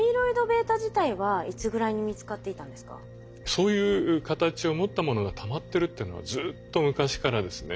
そういう形を持ったものがたまってるっていうのはずっと昔からですね